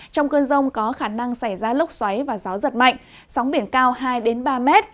trong cơn rông có khả năng xảy ra lốc xoáy và gió giật mạnh sóng biển cao hai ba m